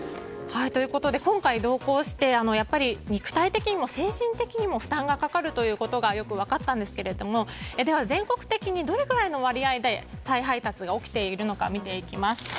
今回、同行してやっぱり肉体的にも精神的にも負担がかかるということがよく分かったんですけども全国的にどれくらいの割合で再配達が起きているのか見ていきます。